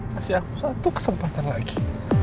kasih aku satu kesempatan lagi